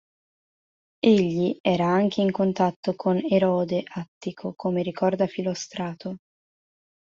Egli era anche in contatto con Erode Attico, come ricorda Filostrato.